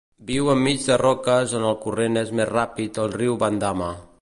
Viu enmig de roques on el corrent és més ràpid al riu Bandama.